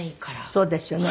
そうですよね。